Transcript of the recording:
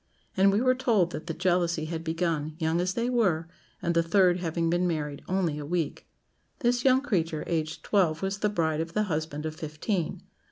And we were told that the jealousy had begun, young as they were, and the third having been married only a week. This young creature, aged twelve, was the bride of the husband of fifteen.